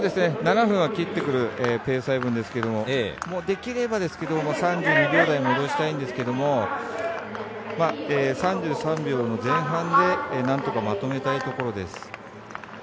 ７分はきってくるペース配分ですけどもできればですけど３２秒台に戻したいんですけど３３秒の前半でまとめたいところです。